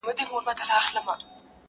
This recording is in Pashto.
نه يوه له بله ځان سو خلاصولاى!.